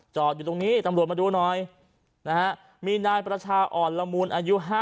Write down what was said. อยู่ตรงนี้ตำรวจมาดูหน่อยนะฮะมีนายประชาอ่อนละมูลอายุ๕๐